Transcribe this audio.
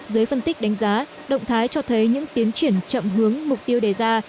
dưới phân tích đánh giá động thái cho thấy những tiến triển chậm hướng mục tiêu đề ra